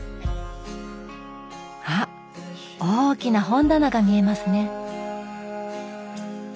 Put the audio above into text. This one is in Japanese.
あっ大きな本棚が見えますね。